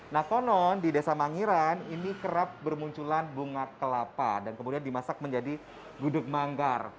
nah konon di desa mangiran ini kerap bermunculan bunga kelapa dan kemudian dimasak menjadi gudeg manggar